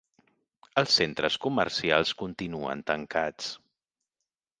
Els centres comercials continuen tancats.